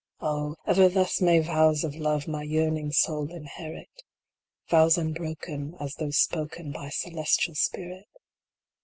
Oh ! ever thus may vows of love My yearning soul inherit Vows unbroken, as those spoken By celestial spirit VENETIA.